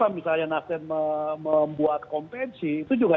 membuat kompensi itu juga